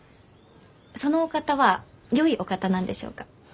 そのお方はよいお方なんでしょうか？